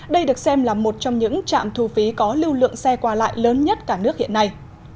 đây được xem là một trong những trạm thu phí có lưu lượng xe qua lại lớn nhất cả nước hiện nay